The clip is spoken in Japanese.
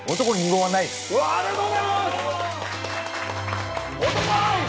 ありがとうございます！